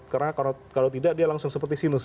karena kalau tidak dia langsung seperti sinus